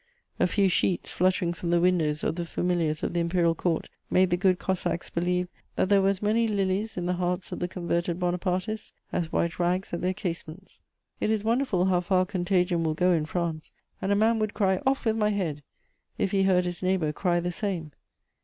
A few sheets fluttering from the windows of the familiars of the Imperial Court made the good Cossacks believe that there were as many lilies in the hearts of the converted Bonapartists as white rags at their casements. It is wonderful how far contagion will go in France, and a man would cry, "Off with my head!" if he heard his neighbour cry the same.